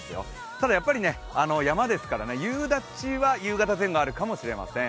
ただ山ですから夕立は夕方前後あるかもしれません。